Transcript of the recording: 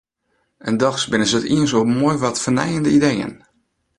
En dochs binne se it iens oer moai wat fernijende ideeën.